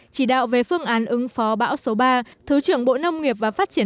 chỉ đạo về phương án ứng phó bão số ba thứ trưởng bộ nông nghiệp và phát triển